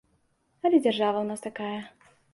Але дзяржава ў нас такая.